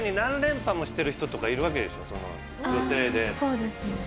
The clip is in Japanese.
そうですね。